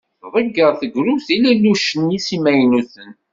Tḍegger tegrudt ilellucen-is imaynuten.